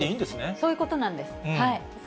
そういうことなんです。